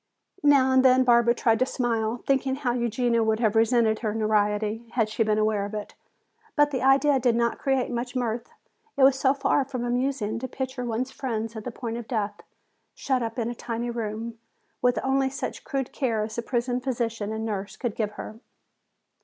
Now and then Barbara tried to smile, thinking how Eugenia would have resented her notoriety had she been aware of it. But the idea did not create much mirth. It was so far from amusing to picture one's friend at the point of death, shut up in a tiny room, with only such crude care as the prison physician and nurse could give her.